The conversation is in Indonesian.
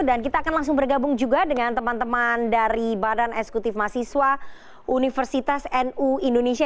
dan kita akan langsung bergabung juga dengan teman teman dari badan eksekutif mahasiswa universitas nu indonesia